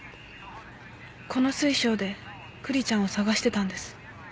この水晶でクリちゃんを捜してたんです